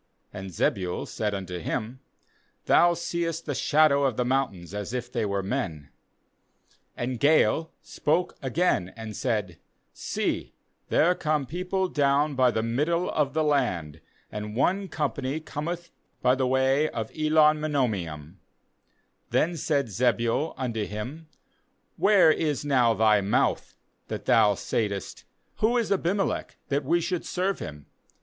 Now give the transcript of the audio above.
And Zebul said unto him: * Thou seest the shadow of the mountains as if they were men/ 37And Gaal spoke again and said :' See, there come people down by the middle of the land, and one company cometh by the way of Elon meonenim/ 38Then said Zebul unto him: 'Where is now thy mouth, that thou saidst: Who is Abimelech, that we should serve him?